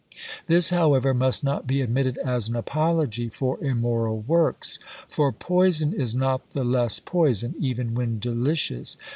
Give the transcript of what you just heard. This, however, must not be admitted as an apology for immoral works; for poison is not the less poison, even when delicious.